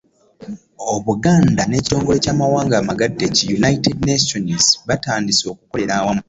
Obuganda n'ekitongole ky'amawanga amagatte ki United Nations batandise okukolera awamu.